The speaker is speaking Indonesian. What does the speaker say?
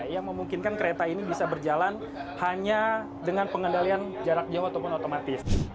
yang memungkinkan kereta ini bisa berjalan hanya dengan pengendalian jarak jauh ataupun otomatis